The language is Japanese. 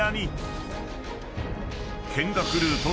［見学ルート